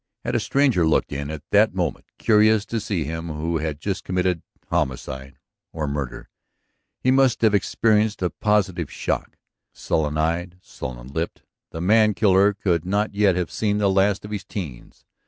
Had a stranger looked in at that moment, curious to see him who had just committed homicide ... or murder ... he must have experienced a positive shock. Sullen eyed, sullen lipped, the man killer could not yet have seen the last of his teens.